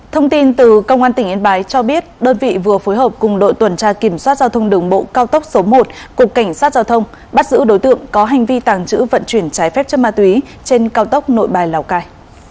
thông tin từ công an tỉnh yên bái cho biết đơn vị vừa phối hợp cùng đội tuần tra kiểm soát giao thông đường bộ cao tốc số một của cảnh sát giao thông bắt giữ đối tượng có hành vi tàng trữ vận chuyển trái phép chất ma túy trên cao tốc nội bài lào cai